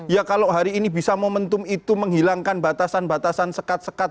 ya kalau hari ini bisa momentum itu menghilangkan batasan batasan sekat sekat